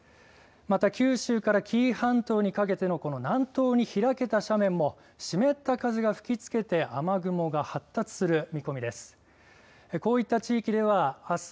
また九州から紀伊半島にかけてのこの南東に開けた斜面も湿った風が吹きつけて雨雲が発達する見込みです。